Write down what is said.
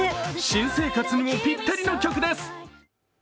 新生活にもぴったりの曲です。